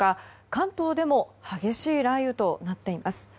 関東でも激しい雷雨となっています。